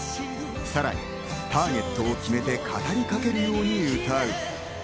さらにターゲットを決めて語りかけるように歌う。